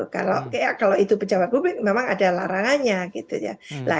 kalau itu pejabat publik memang ada larangannya